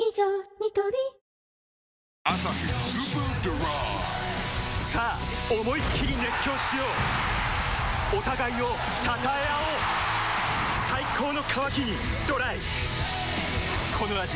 ニトリ「アサヒスーパードライ」さあ思いっきり熱狂しようお互いを称え合おう最高の渇きにＤＲＹ